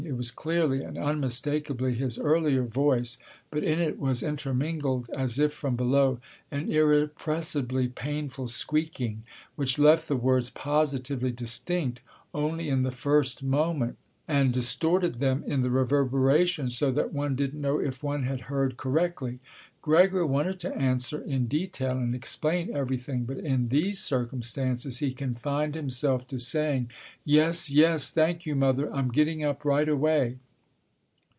It was clearly and unmistakably his earlier voice, but in it was intermingled, as if from below, an irrepressibly painful squeaking, which left the words positively distinct only in the first moment and distorted them in the reverberation, so that one didn't know if one had heard correctly. Gregor wanted to answer in detail and explain everything, but in these circumstances he confined himself to saying, "Yes, yes, thank you mother. I'm getting up right away."